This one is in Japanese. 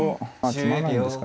詰まないですか。